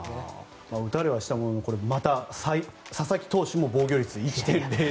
打たれはしたもののまた佐々木投手も防御率１．００。